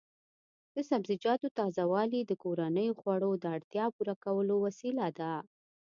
د سبزیجاتو تازه والي د کورنیو خوړو د اړتیا پوره کولو وسیله ده.